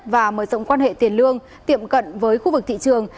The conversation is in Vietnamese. và mở rộng quan hệ tiền lương tiệm cận với khu vực thị trường